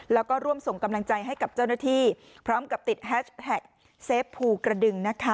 แล้วก็ร่วมส่งกำลังใจให้กับเจ้าหน้าที่พร้อมกับติดแฮชแท็กเซฟภูกระดึงนะคะ